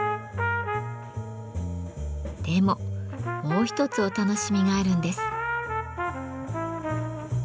でももう一つお楽しみがあるんです。